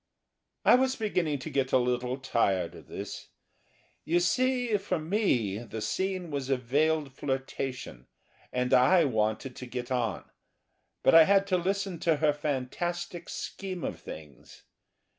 I was beginning to get a little tired of this. You see, for me, the scene was a veiled flirtation and I wanted to get on. But I had to listen to her fantastic scheme of things.